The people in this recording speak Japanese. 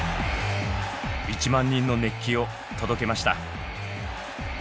１万人の熱気を届けました。